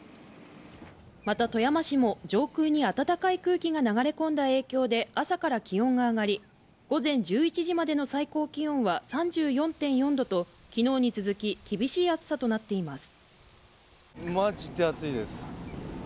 また富山市も上空に暖かい空気が流れ込んだ影響で朝から気温が上がり午前１１時までの最高気温は３４．４度と昨日に続き厳しい暑さとなっています